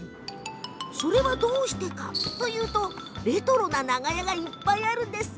それはどうしてかというとレトロな長屋がいっぱいあるんです。